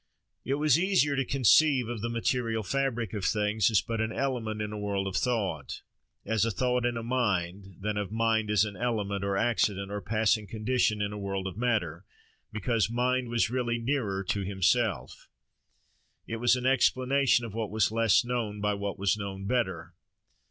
It was easier to conceive of the material fabric of things as but an element in a world of thought—as a thought in a mind, than of mind as an element, or accident, or passing condition in a world of matter, because mind was really nearer to himself: it was an explanation of what was less known by what was known better.